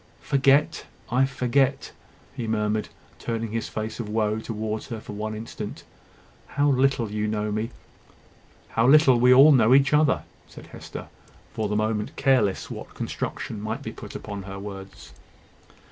"Forget! I forget!" he murmured, turning his face of woe towards her for one instant. "How little you know me!" "How little we all know each other!" said Hester, for the moment careless what construction might be put upon her words.